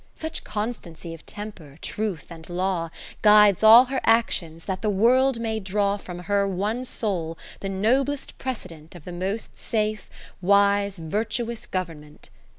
Such constancy of Temper, Truth and Law, Guides all her actions, that the World may draw From her one soul the noblest precedent Of the most safe, wise, virtuous government.